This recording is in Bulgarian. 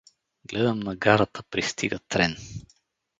Гледам на гарата пристига трен.